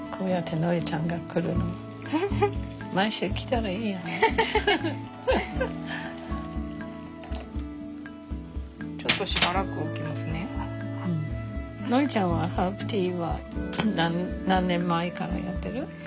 ノリちゃんはハーブティーは何年前からやってる？